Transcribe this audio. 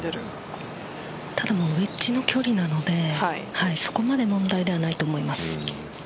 ただ、エッジの距離なのでそこまで問題ではないと思います。